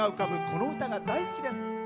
この歌が大好きです。